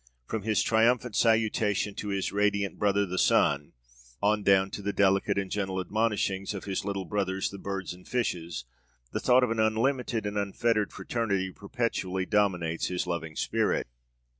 From his triumphant salutation to his radiant 'brother the sun,' on down to the delicate and gentle admonishings of his 'little brothers' the birds and fishes, the thought of an unlimited and unfettered fraternity perpetually dominates his loving spirit.